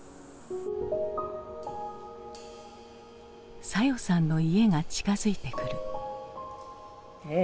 早代さんの家が近づいてくる。